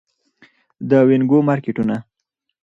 د وینګو مارکیټونه